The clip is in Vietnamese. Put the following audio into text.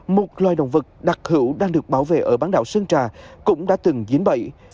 một loài động vật đặc hữu đang được bảo vệ ở bán đảo sơn trà cũng đã từng giếm bậy